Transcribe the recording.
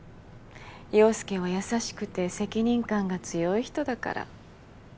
陽佑は優しくて責任感が強い人だから。